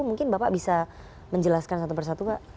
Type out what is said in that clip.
mungkin bapak bisa menjelaskan satu persatu pak